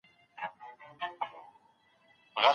ګراني! ښايستې سترګي دي سم دم كتابونـه دي